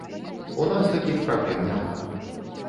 У нас такіх праблем няма.